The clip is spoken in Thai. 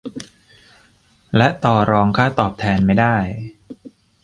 และต่อรองค่าตอบแทนไม่ได้